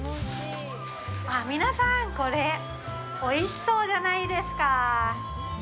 皆さん、これ、おいしそうじゃないですか？